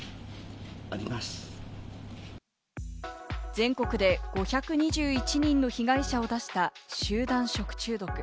全国で５２１人の被害者を出した集団食中毒。